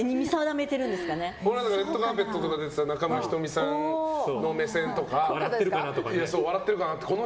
「レッドカーペット」とか出てた中村仁美さんの目線とか笑ってるかなって